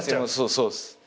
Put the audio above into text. そうっす。